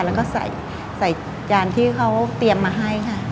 แล้วก็ใส่จานที่เขาเตรียมมาให้ค่ะ